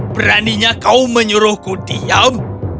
beraninya kau menyuruhku diam